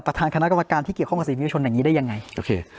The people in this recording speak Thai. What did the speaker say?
ประธานคณะกรรมการที่เกี่ยวข้องกับสื่อมิวชนอย่างนี้ได้ยังไงโอเค